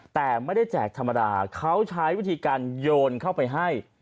แต่ไม่ได้แจกธรรมดาเขาใช้วิธีการโยนเข้าไปให้